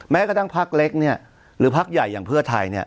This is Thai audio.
แม้กระทั่งพักเล็กเนี่ยหรือพักใหญ่อย่างเพื่อไทยเนี่ย